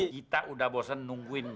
kita udah bosen nungguin